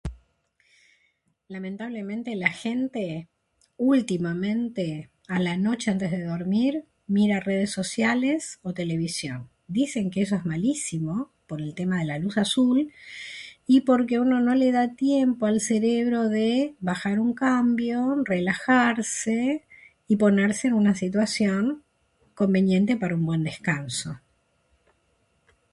Lamentablemente la gente, últimamente, antes de dormir mira redes sociales o televisión. Dicen que eso es malísimo por el tema de la luz azul y porque uno no le da tiempo al cerebro de bajar un cambio, relajarse y ponerse en una situación conveniente para un buen descanso